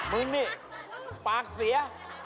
มึงนี่ปากเสีย